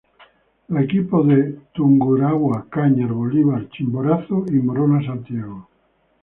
Los equipos de Tungurahua, Cañar, Bolívar, Chimborazo y Morona Santiago.